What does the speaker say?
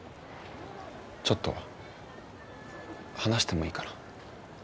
ちょっと話してもいいかな？